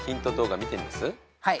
はい。